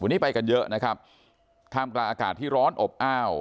วันนี้ไปกันเยอะนะครับท่ามกลางอากาศที่ร้อนอบอ้าว